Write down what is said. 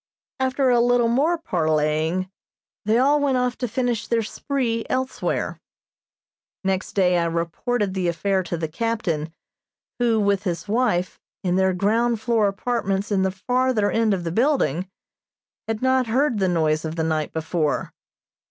After a little more parleying they all went off to finish their "spree" elsewhere. Next day I reported the affair to the captain, who, with his wife, in their ground floor apartments in the farther end of the building, had not heard the noise of the night before.